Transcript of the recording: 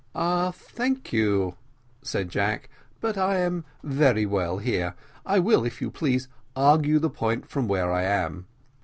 "Thank you," said Jack, "but I am very well here. I will, if you please, argue the point from where I am."